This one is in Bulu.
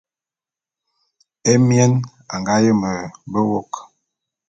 Émien a nga yeme be wôk.